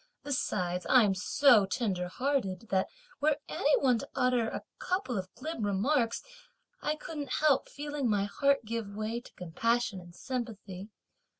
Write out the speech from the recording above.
Besides, I'm so tender hearted that were any one to utter a couple of glib remarks, I couldn't help feeling my heart give way to compassion and sympathy.